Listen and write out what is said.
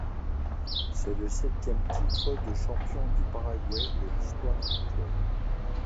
C'est le septième titre de champion du Paraguay de l'histoire du club.